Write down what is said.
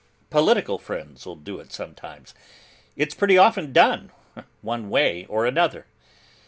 Political friends'll do it sometimes. It's pretty often done, one way or another.